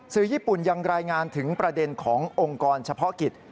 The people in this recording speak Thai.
สื่อญี่ปุ่นยังรายงานถึงประเด็นขององค์กรเฉพาะกิจ